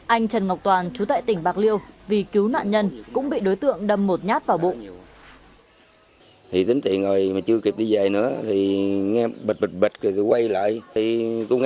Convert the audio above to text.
anh trần ngọc toàn chú tại tỉnh bạc liêu vì cứu nạn nhân cũng bị đối tượng đâm một nhát vào bụng